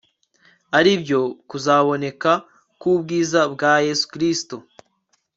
ari byo kuzaboneka k'ubwiza bwa yesu kristo